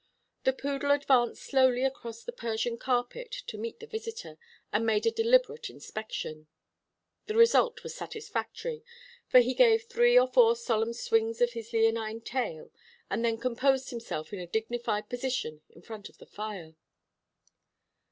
The poodle advanced slowly across the Persian carpet to meet the visitor, and made a deliberate inspection. The result was satisfactory, for he gave three or four solemn swings of his leonine tail, and then composed himself in a dignified position in front of the fire.